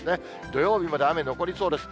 土曜日まで雨残りそうです。